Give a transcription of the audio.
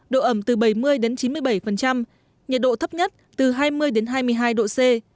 độ ẩm từ bảy mươi chín mươi bảy nhiệt độ thấp nhất từ hai mươi hai mươi hai độ c